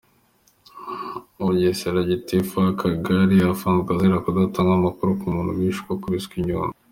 Bugesera:Gitifu w’Akagari afunzwe azira kudatanga amakuru ku muntu wishwe akubiswe inyundo.